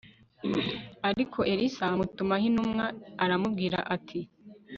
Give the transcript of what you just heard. ariko elisa amutumaho intumwa aramubwira ati